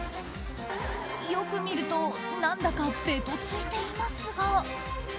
よく見ると何だか、べとついていますが。